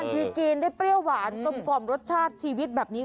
ทีกินได้เปรี้ยวหวานกลมรสชาติชีวิตแบบนี้